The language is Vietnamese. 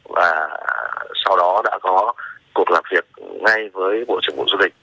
và sau đó đã có cuộc làm việc ngay với bộ trưởng bộ du lịch